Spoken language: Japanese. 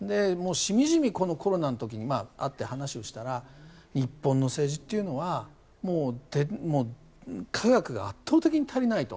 しみじみ、このコロナの時に会って話をしたら日本の政治っていうのはもう科学が圧倒的に足りないと。